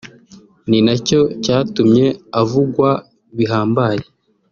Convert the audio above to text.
ni nacyo cyatumye avugwa bihambaye